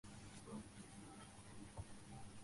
আমাদের হাতে আর বেশি সময় নেই।